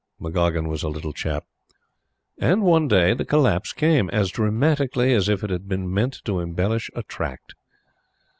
McGoggin was a little chap. One day, the collapse came as dramatically as if it had been meant to embellish a Tract.